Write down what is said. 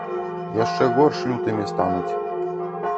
Яшчэ горш лютымі стануць.